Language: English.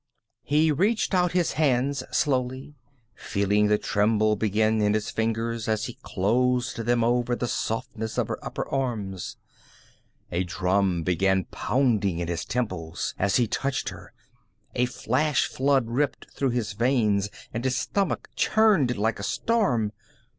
He reached out his hands slowly, feeling the tremble begin in his fingers as he closed them over the softness of her upper arms. A drum began pounding in his temples as he touched her, a flashflood ripped through his veins, and his stomach churned like a storm.